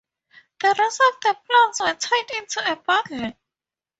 The rest of the plants were tied into a bundle.